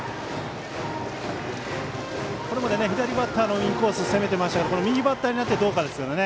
これまで左バッターのインコースを攻めていましたけど右バッターになってどうかですけどね。